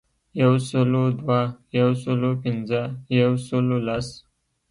یو سلو دوه، یو سلو پنځه ،یو سلو لس .